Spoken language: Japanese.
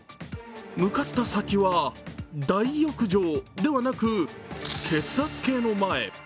向かった先は大浴場ではなく、血圧計の前。